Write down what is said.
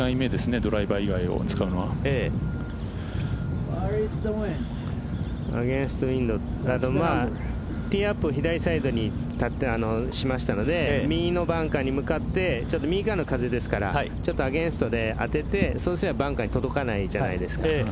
ドライバー以外を使うのはティーアップを左サイドに立って、しましたので右のバンカーに向かって右からの風ですからちょっとアゲンストで当ててそうしたらバンカーに届かないじゃないですか。